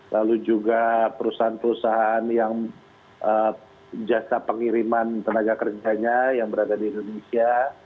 lalu juga perusahaan perusahaan yang jasa pengiriman tenaga kerjanya yang berada di indonesia